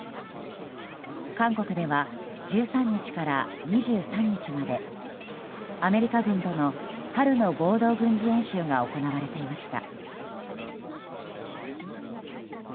韓国では１３日から２３日までアメリカ軍との春の合同軍事演習が行われていました。